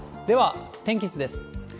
では、天気図です。